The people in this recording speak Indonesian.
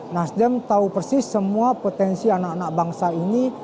nasdem tahu persis semua potensi anak anak bangsa ini